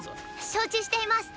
承知しています。